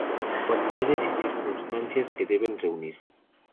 Cualidades y circunstancias que debe reunir.